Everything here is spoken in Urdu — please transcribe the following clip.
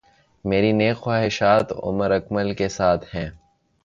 میری نیک خواہشات عمر اکمل کے ساتھ ہیں